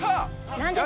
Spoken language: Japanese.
何ですか？